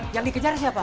yang dikejar siapa